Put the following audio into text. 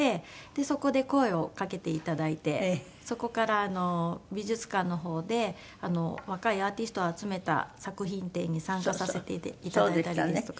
そこで声を掛けていただいてそこから美術館のほうで若いアーティストを集めた作品展に参加させていただいたりですとか。